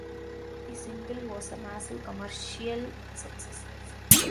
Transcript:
The single was a massive commercial success.